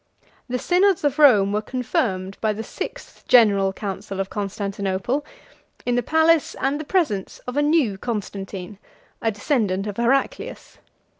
The synods of Rome were confirmed by the sixth general council of Constantinople, in the palace and the presence of a new Constantine, a descendant of Heraclius.